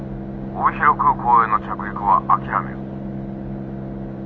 帯広空港への着陸は諦める」。